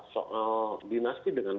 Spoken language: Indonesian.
soal dinasti dengan